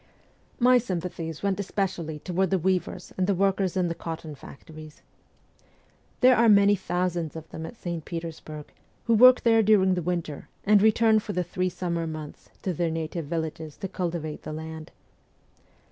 My sympathies went especially toward the weavers and the workers in the cotton factories. There are many thousands of them at St. Petersburg, who work there during the winter, and return for the three summer months to their native villages to cultivate the land.